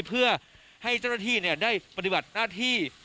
เพื่อให้เจ้าหน้าที่ได้ปฏิบัติหน้าที่